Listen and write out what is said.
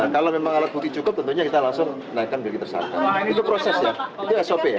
kalau memang alat bukti cukup tentunya kita langsung naikkan menjadi tersangka itu proses ya itu sop ya